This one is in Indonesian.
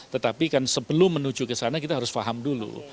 tetapi kan sebelum menuju ke sana kita harus paham dulu